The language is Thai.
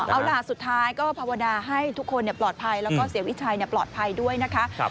เอาล่ะสุดท้ายก็ภาวนาให้ทุกคนปลอดภัยแล้วก็เสียวิชัยปลอดภัยด้วยนะคะ